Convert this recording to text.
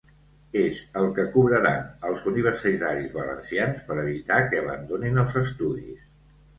És el que cobraran els universitaris valencians per evitar que abandonin els estudis.